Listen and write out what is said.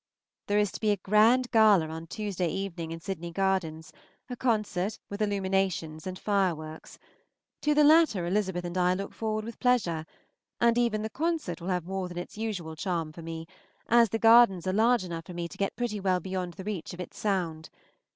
There is to be a grand gala on Tuesday evening in Sydney Gardens, a concert, with illuminations and fireworks. To the latter Elizabeth and I look forward with pleasure, and even the concert will have more than its usual charm for me, as the gardens are large enough for me to get pretty well beyond the reach of its sound.